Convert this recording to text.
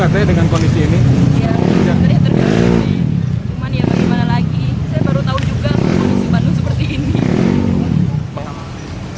banjir yang menerjang ribuan rumah ini meluas hingga ke jalan raya penghubung antar kota dan kabupaten bandung